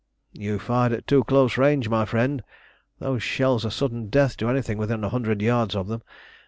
"You fired at too close range, my friend. Those shells are sudden death to anything within a hundred yards of them.